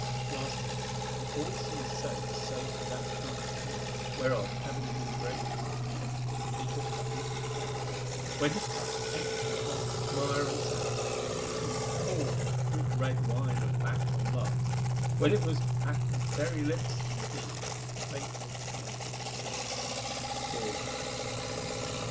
Lastly, when all seemed safe save for that chance of war, whereof, having been bred to such things, he took but little count; when his cup, emptied at length of mire and sand, was brimming full with the good red wine of battle and of love, when it was at his very lips indeed, Fate had turned it to poison and to gall.